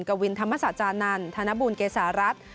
กวินธรรมสาจานันต์ธนบุญเกสารัส